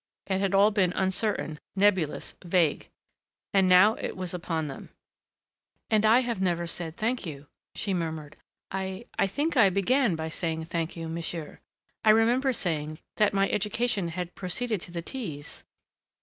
It had all been uncertain, nebulous, vague.... And now it was upon them. "And I have never said Thank you," she murmured. "I I think I began by saying Thank you, monsieur. I remember saying that my education had proceeded to the Ts!"